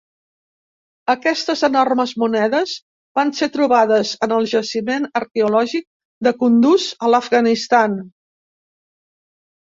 Aquestes enormes monedes van ser trobades en el jaciment arqueològic de Kunduz a l'Afganistan.